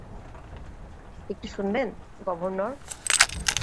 একটু শুনবেন, গভর্নর?